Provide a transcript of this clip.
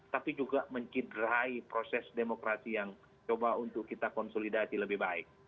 tapi juga mencidrai proses demokrasi yang coba untuk kita konsolidasi lebih baik